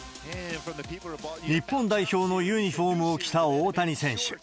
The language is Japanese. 日本代表のユニホームを着た大谷選手。